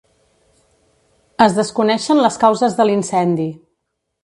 Es desconeixen les causes de l’incendi.